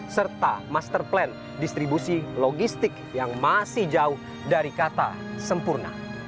serta master plan distribusi logistik yang masih jauh dari kata sempurna